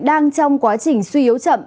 đang trong quá trình suy yếu chậm